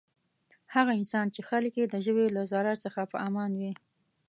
هغه انسان چی خلک یی د ژبی له ضرر څخه په امان وی.